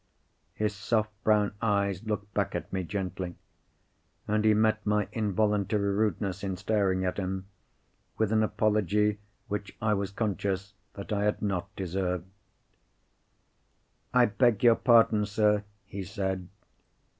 His soft brown eyes looked back at me gently; and he met my involuntary rudeness in staring at him, with an apology which I was conscious that I had not deserved. "I beg your pardon," he said.